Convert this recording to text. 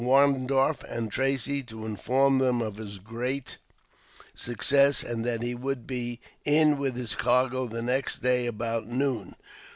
Warndorf and Tracy, to inform them of his great success, and that he would be in with his cargo the next day about noon.